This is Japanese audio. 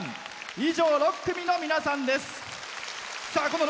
以上、６組の皆さんです。